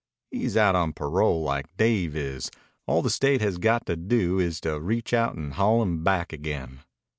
He's out on parole, like Dave is. All the State has got to do is to reach out and haul him back again."